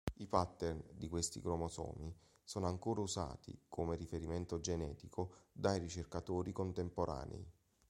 I "pattern" di questi cromosomi sono ancora usati come riferimento genetico dai ricercatori contemporanei.